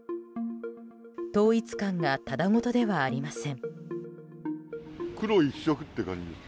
統一感がただ事ではありません。